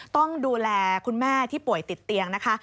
ต้องดูแลคุณแม่ที่ป่วยติดเตียงนะคะ